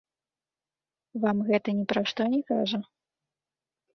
Вам гэта ні пра што не кажа?